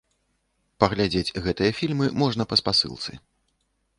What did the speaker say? Паглядзець гэтыя фільмы можна па спасылцы.